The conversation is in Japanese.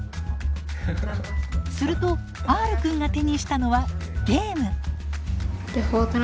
するとＲくんが手にしたのはゲーム。